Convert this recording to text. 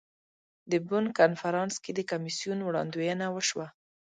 د بن کنفرانس کې د کمیسیون وړاندوینه وشوه.